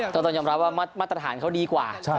ต้องยอมรับว่ามาตรฐานเขาดีกว่า